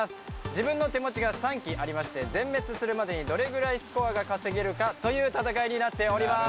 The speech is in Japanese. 自分の手持ちが３機ありまして全滅するまでにどれぐらいスコアが稼げるかという戦いになっております。